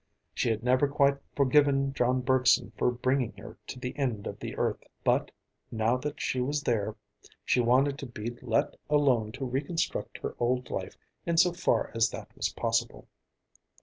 She had never quite forgiven John Bergson for bringing her to the end of the earth; but, now that she was there, she wanted to be let alone to reconstruct her old life in so far as that was possible.